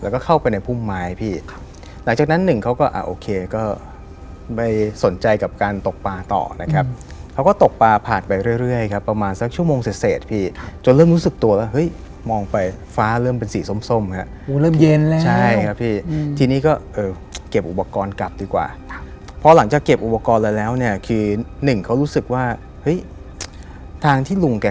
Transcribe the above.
ก็อ่าโอเคก็ไปสนใจกับการตกปลาต่อนะครับเขาก็ตกปลาผ่านไปเรื่อยครับประมาณสักชั่วโมงเสร็จพี่จนเริ่มรู้สึกตัวแล้วเห้ยมองไปฟ้าเริ่มเป็นสีส้มครับอู๋เริ่มเย็นแล้วใช่ครับพี่ทีนี้ก็เออเก็บอุปกรณ์กลับดีกว่าพอหลังจากเก็บอุปกรณ์แล้วเนี่ยคือหนึ่งเขารู้สึกว่าเฮ้ยทางที่ลุงแก